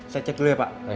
saya cek dulu ya pak